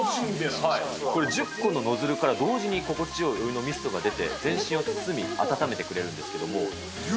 これ１０個のノズルから同時に心地よいお湯のミストが出て全身を包み、温めてくれるんですけれども。